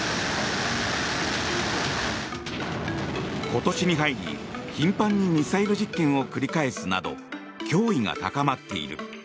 今年に入り、頻繁にミサイル実験を繰り返すなど脅威が高まっている。